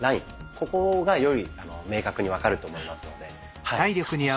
ここがより明確に分かると思いますのではい。